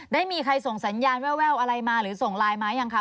ได้มีใครส่งสัญญาณแววอะไรมาหรือส่งไลน์มายังคะ